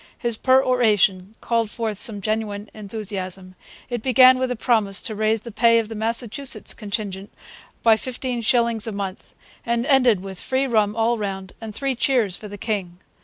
His peroration called forth some genuine enthusiasm. It began with a promise to raise the pay of the Massachusetts contingent by fifteen shillings a month, and ended with free rum all round and three cheers for the king.